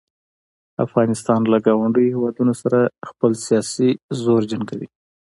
افغانستان له ګاونډیو هیوادونو سره خپل سیاسي زور جنګوي.